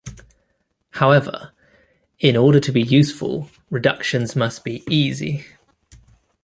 However, in order to be useful, reductions must be "easy".